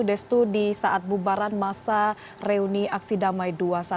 destu di saat bubaran masa reuni aksi damai dua ratus dua belas